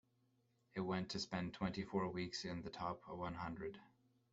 It went to spend twenty-four weeks in the top one hundred.